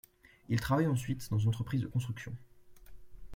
Il travaille ensuite dans une entreprise de construction.